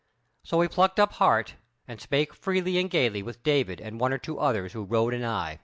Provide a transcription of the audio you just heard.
So he plucked up heart, and spake freely and gaily with David and one or two others who rode anigh.